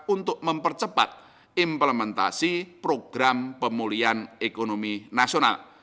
untuk mempercepat implementasi program pemulihan ekonomi nasional